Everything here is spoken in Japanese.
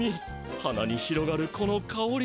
鼻に広がるこのかおり。